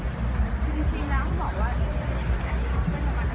ไม่ทราบเลยครับ